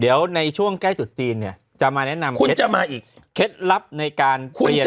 เดี๋ยวในช่วงใกล้ตรุษจีนจะมาแนะนำเคล็ดลับในการ